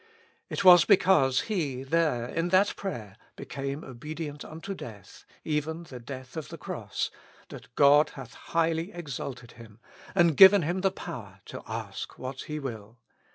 It was because He there, in that prayer, became obedient unto death, even the death of the cross, that God hath highly exalted Him, and given Him the power to ask what He will.